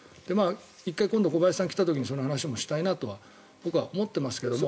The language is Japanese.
１回、今度小林さんが来た時にその話もしたいなと僕は思っていますけど。